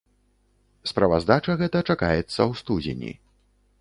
Справаздача гэта чакаецца ў студзені.